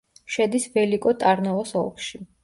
შედის ველიკო-ტარნოვოს ოლქში.